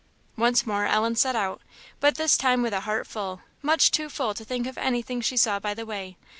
Once more Ellen set out, but this time with a heart full much too full to think of anything she saw by the way.